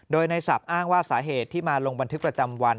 โดยในศัพท์อ้างว่าสาเหตุที่มาลงบันทึกประจำวัน